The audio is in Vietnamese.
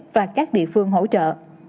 và các địa phương hỗ trợ